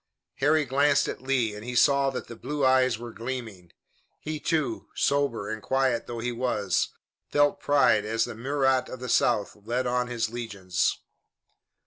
Harry glanced at Lee and he saw that the blue eyes were gleaming. He, too, sober and quiet though he was, felt pride as the Murat of the South led on his legions.